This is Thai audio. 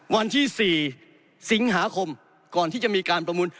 วันที่๔สิงหาคมก่อนที่จะมีการประมูล